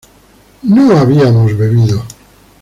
no habíamos bebido